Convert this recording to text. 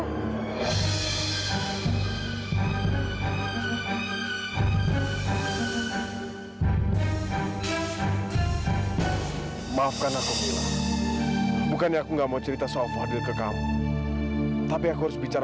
taufan taufan kenapa sih kamu jadi seperti ini nak